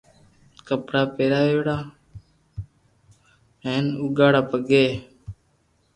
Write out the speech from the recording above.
ڪپڙا پھاٽوڙا ھين اوگاڙي پگي